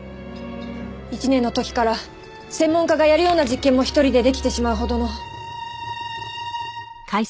１年の時から専門家がやるような実験も１人でできてしまうほどの。